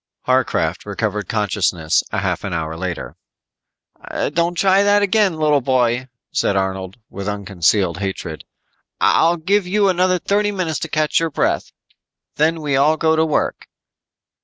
Harcraft recovered consciousness a half hour later. "Don't try that again, little boy," said Arnold with unconcealed hatred. "I'll give you another thirty minutes to catch your breath. Then we all go to work."